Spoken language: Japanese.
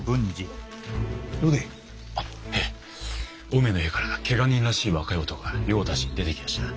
お梅の家からけが人らしい若い男が用を足しに出てきやした。